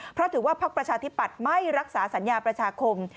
เพราะถือว่าพักประชาธิปัตย์ไม่รักษาสัญญาประชาคม